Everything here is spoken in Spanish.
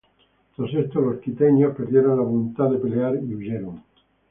Tras esto los quiteños perdieron la voluntad de pelear y huyeron.